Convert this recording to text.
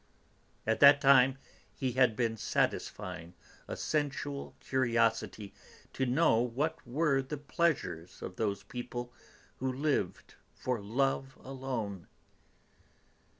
At that time he had been satisfying a sensual curiosity to know what were the pleasures of those people who lived for love alone.